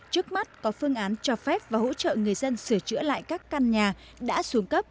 trước mắt có phương án cho phép và hỗ trợ người dân sửa chữa lại các căn nhà đã xuống cấp